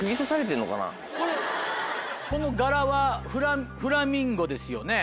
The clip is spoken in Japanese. この柄はフラミンゴですよね。